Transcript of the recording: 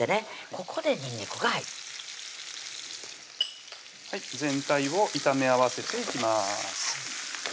ここでにんにくが入る全体を炒め合わせていきます